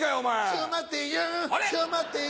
ちょ待てよ。